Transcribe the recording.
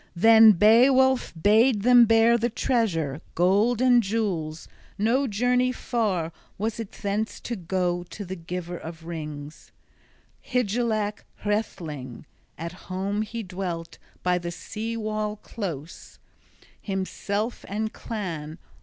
Then Beowulf bade them bear the treasure, gold and jewels; no journey far was it thence to go to the giver of rings, Hygelac Hrethling: at home he dwelt by the sea wall close, himself and clan.